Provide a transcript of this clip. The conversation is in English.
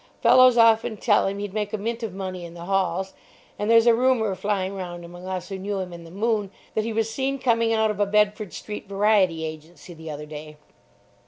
Fellows often tell him he'd make a mint of money in the halls, and there's a rumour flying round among us who knew him in the "Moon" that he was seen coming out of a Bedford Street Variety Agency the other day.